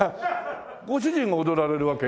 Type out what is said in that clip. ご主人が踊られるわけ？